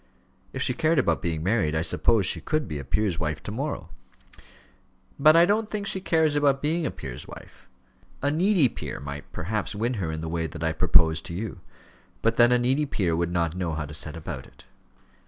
"If she cared about being married, I suppose she could be a peer's wife to morrow." "But I don't think she cares about being a peer's wife. A needy peer might perhaps win her in the way that I propose to you; but then a needy peer would not know how to set about it.